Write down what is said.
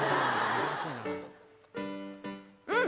うん！